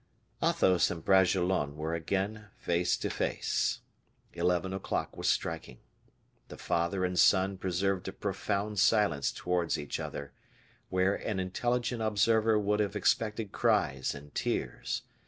Athos and Bragelonne were again face to face. Eleven o'clock was striking. The father and son preserved a profound silence towards each other, where an intelligent observer would have expected cries and tears.